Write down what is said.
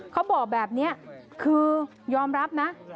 เขาบอกแบบนี้คือยอมรับนะ